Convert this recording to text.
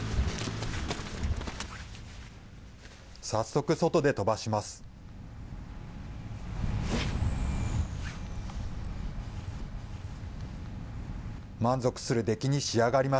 早速、外で飛ばします。